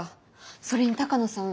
それに鷹野さん